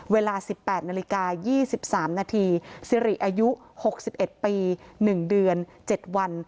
เวลา๑๘นาฬิกา๒๓นาทีสิริอายุ๖๑ปี๑เดือน๗วัน